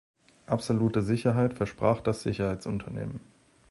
Absolute Sicherheit versprach das Sicherheitsunternehmen.